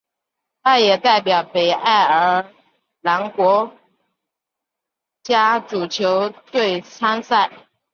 他也代表北爱尔兰国家足球队参赛。